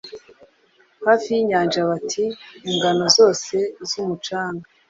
Hafi yinyanja Bati 'Ingano zose z'umucanga,